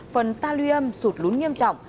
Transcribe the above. phần talium sụt lún nghiêm trọng